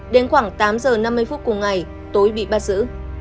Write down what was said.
đến khoảng tám h năm mươi phút của ngày tối bị bắt giữ